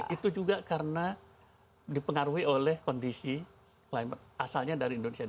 itu juga karena dipengaruhi oleh kondisi climate asalnya dari indonesia